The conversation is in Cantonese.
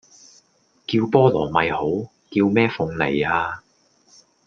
叫菠蘿咪好！叫咩鳳梨呀